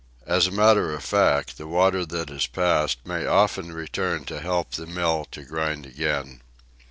As a matter of fact, "the water that has passed" may often return to help the mill to grind again.